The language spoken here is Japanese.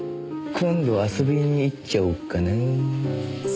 今度遊びに行っちゃおうかな。